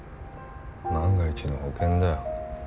万が一の保険だよ